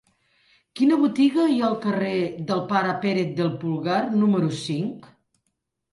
Quina botiga hi ha al carrer del Pare Pérez del Pulgar número cinc?